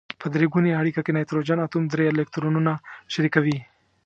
په درې ګونې اړیکه کې نایتروجن اتوم درې الکترونونه شریکوي.